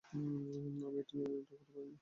আমি এটা নিয়ন্ত্রণ করতে পারি না।